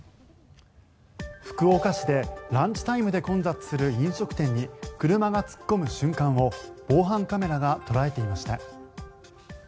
福岡市でランチタイムで混雑する飲食店に車が突っ込む瞬間を防犯カメラが捉えていました。